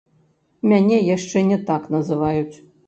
Мяне яшчэ не так называюць!